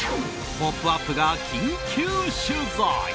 「ポップＵＰ！」が緊急取材。